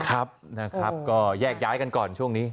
ครับนะครับก็แยกย้ายกันก่อนช่วงนี้